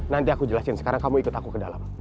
nanti aku jelasin sekarang kamu ikut aku ke dalam